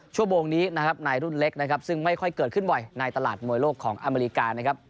ชั่วโมงนี้นะครับในรุ่นเล็กนะครับซึ่งไม่ค่อยเกิดขึ้นบ่อยในตลาดมวยโลกของอเมริกานะครับ